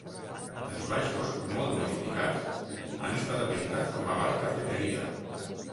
Els baixos, molt modificats, han estat habilitats com a Bar-cafeteria.